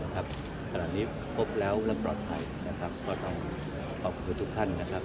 ขณะนี้พบแล้วและปลอดภัยนะครับก็ต้องขอบคุณทุกท่านนะครับ